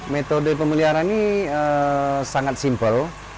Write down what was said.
metode pemeliharaan ini sangat simpel